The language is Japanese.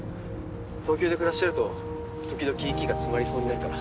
東京で暮らしてると時々息が詰まりそうになるから。